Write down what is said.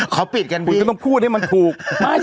เขาปิดกันคุณก็ต้องพูดให้มันถูก